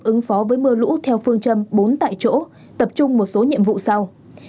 ứng phó với mưa lũ theo phương châm bốn tại chỗ tập trung một số nhiệm vụ sau